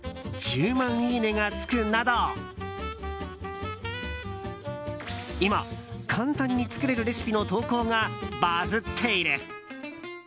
１０万いいねがつくなど今、簡単に作れるレシピの投稿がバズっている。